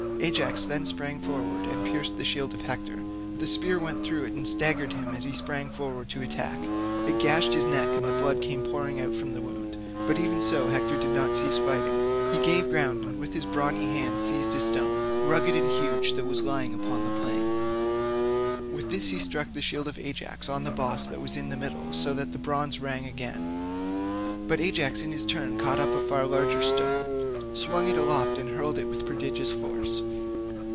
Ajax then sprang forward and pierced the shield of Hector; the spear went through it and staggered him as he was springing forward to attack; it gashed his neck and the blood came pouring from the wound, but even so Hector did not cease fighting; he gave ground, and with his brawny hand seized a stone, rugged and huge, that was lying upon the plain; with this he struck the shield of Ajax on the boss that was in its middle, so that the bronze rang again. But Ajax in turn caught up a far larger stone, swung it aloft, and hurled it with prodigious force.